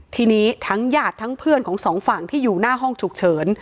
ทีนี้ทั้งญาติทั้งเพื่อนของสองฝั่งที่อยู่หน้าห้องฉุกเฉิน